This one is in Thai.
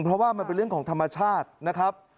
เพราะว่ามันเป็นเรื่องของธรรมชาตินะครับ